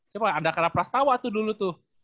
coba ada keraplastawa tuh dulu tuh